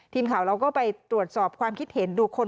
ทีมข่าวเราก็ไปตรวจสอบความคิดเห็นดูคน